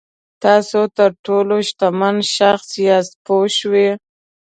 تاسو تر ټولو شتمن شخص یاست پوه شوې!.